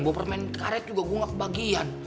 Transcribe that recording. gue bawa permen karet juga gue gak kebagian